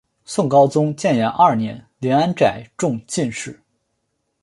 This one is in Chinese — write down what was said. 宋高宗建炎二年林安宅中进士。